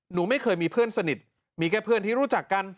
หนูไม่เคยมีเพื่อนสนิทมีแค่เพื่อนที่รู้จักกัน